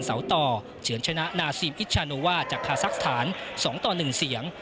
พรสาวต่อเฉินชนะนาซิมอิชชาโนว่าจากพระศักดิ์ฐาน๒ต่อ๑เสียง